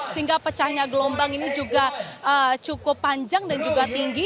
sehingga pecahnya gelombang ini juga cukup panjang dan juga tinggi